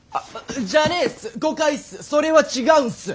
じゃねえっす誤解っすそれは違うっす！